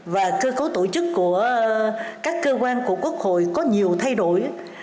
và cơ cấu tổ chức của các cơ quan của quốc hội có nhiều thay đổi